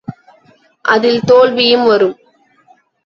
அதில் தோல்வியும் வரும்.